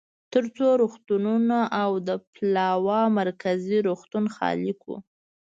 ترڅو روغتونونه او د پلاوا مرکزي روغتون خالي کړو.